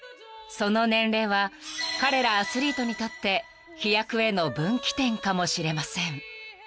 ［その年齢は彼らアスリートにとって飛躍への分岐点かもしれません］